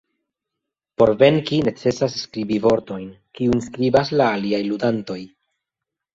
Por venki necesas skribi vortojn, kiujn skribas la aliaj ludantoj.